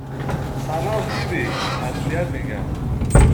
سلام فیبی . تسلیت میگم